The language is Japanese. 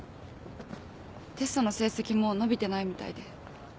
テストの成績も伸びてないみたいで。